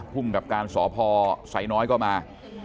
พุ่มกับการสพสัยน้อยก็มา